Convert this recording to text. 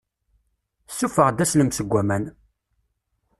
Ssufeɣ-d aslem seg waman!